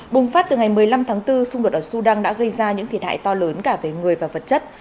bùng phát từ ngày một mươi năm tháng bốn xung đột ở sudan đã gây ra những thiệt hại to lớn cả về người và vật chất